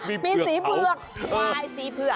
มีสีเผือก